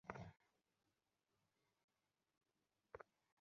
কী হয়েছে, দিল্লীর লোক তোকে বের করে দিয়েছে নাকি?